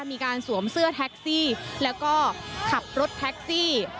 มีการสวมเสื้อแท็กซี่แล้วก็ขับรถแท็กซี่